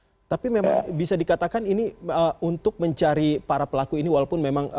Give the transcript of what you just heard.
tapi memang bisa dikatakan ini untuk mencari para pelaku ini walaupun memang